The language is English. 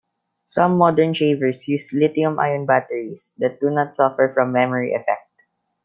Some modern shavers use Lithium-ion batteries that do not suffer from memory effect.